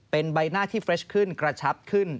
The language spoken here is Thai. เป็นใบหน้าที่เฟรชขึ้นกระชับขึ้น